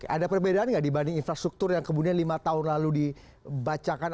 ada perbedaan nggak dibanding infrastruktur yang kemudian lima tahun lalu dibacakan